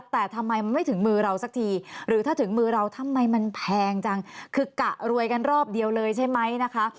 แต่ทำไมมันไม่ถึงมือเราสักทีหรือถ้าถึงมือเราทำไมมันแพงจังคือกะรวยกันรอบเดียวเลยใช่ไหมนะคะ